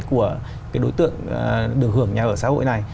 của cái đối tượng được hưởng nhà ở xã hội này